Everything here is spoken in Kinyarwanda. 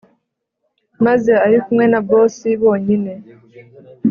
ameze arikumwe na boss bonyine